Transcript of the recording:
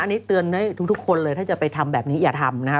อันนี้เตือนได้ทุกคนเลยถ้าจะไปทำแบบนี้อย่าทำนะฮะ